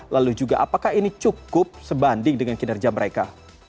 lalu juga apakah ini cukup sebanding dengan kinerja mereka